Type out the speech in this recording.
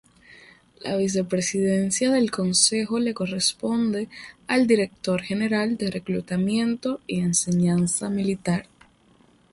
La vicepresidencia del Consejo le corresponde al Director General de Reclutamiento y Enseñanza Militar.